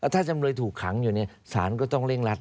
ถ้าจำเลยถูกขังอยู่เนี่ยสารก็ต้องเร่งรัด